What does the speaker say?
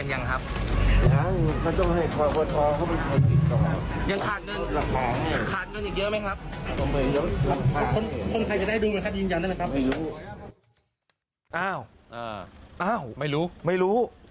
อ้าวไม่รู้ไม่รู้